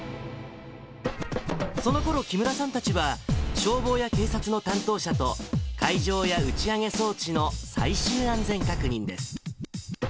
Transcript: そのころ、木村さんたちは、消防や警察の担当者と、会場や打ち上げ装置の最終安全確認です。